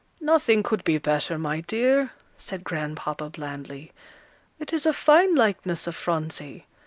"Nothing could be better, my dear," said Grandpapa, blandly; "it is a fine likeness of Phronsie."